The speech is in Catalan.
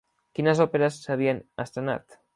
Quines òperes s'havien estrenat?